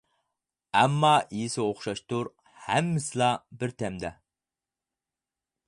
ئەمما يېسە ئوخشاشتۇر، ھەممىسىلا بىر تەمدە.